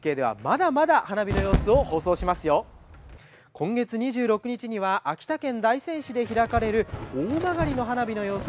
今月２６日には秋田県大仙市で開かれる大曲の花火の様子